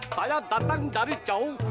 saya dandang dari jauh